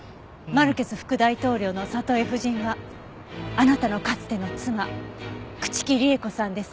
マルケス副大統領のサトエ夫人はあなたのかつての妻朽木里江子さんですね？